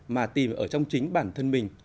mà tìm ở trong chính bản thân mình